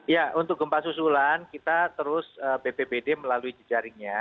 ya untuk gempa susulan kita terus bpbd melalui jejaringnya